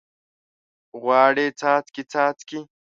غواړي څاڅکي، څاڅکي